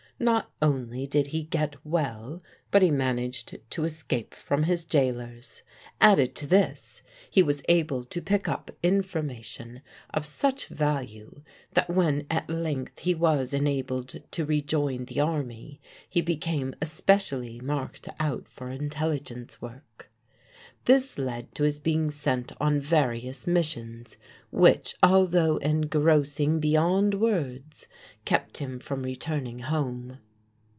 Not only did he get well, but he managed to escape from his jailers. Added to this, he was able to pick up information of such value that when at length he was enabled to rejoin the Army, he became especially marked out for intelligence work. This led to his being sent on various missions, which, although engrossing be yond words, kept him from returning home.